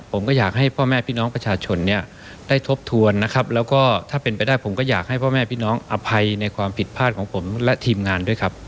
ผมก็อยากให้พ่อแม่พี่น้องประชาชนเนี่ยได้ทบทวนนะครับแล้วก็ถ้าเป็นไปได้ผมก็อยากให้พ่อแม่พี่น้องอภัยในความผิดพลาดของผมและทีมงานด้วยครับ